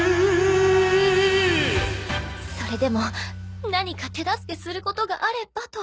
それでも何か手助けすることがあればと。